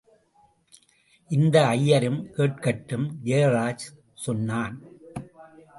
இந்த ஐயரும் கேட்கட்டும்... ஜெயராஜ் சொன்னான்.